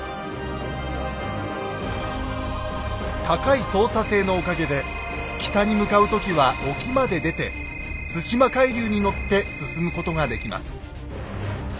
高い操作性のおかげで北に向かう時は沖まで出て対馬海流に乗って進むことができます。